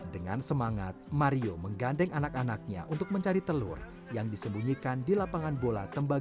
dengan semangat mario menggandeng anak anaknya untuk mencari telur yang disembunyikan di lapangan bola tembaga